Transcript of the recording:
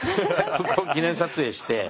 ここを記念撮影して。